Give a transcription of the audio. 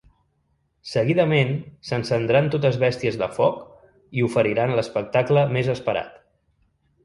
Seguidament, s’encendran totes bèsties de foc i oferiran l’espectacle més esperat.